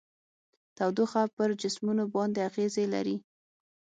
تودوخه پر جسمونو باندې اغیزې لري.